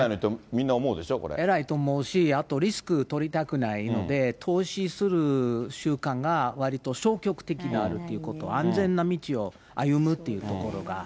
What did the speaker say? みんな思うんでしょ、偉いと思うし、あとリスク取りたくないので、投資する習慣が割と消極的であるっていう、安全な道を歩むっていうところが。